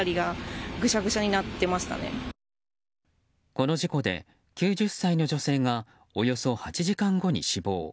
この事故で９０歳の女性がおよそ８時間後に死亡。